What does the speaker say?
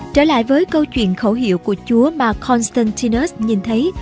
trở lại với câu chuyện khẩu hiệu của chúa mà constantinus nhìn thấy